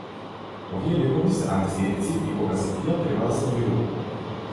Овие лекови се анестетици и кога се пијат треба да се мирува.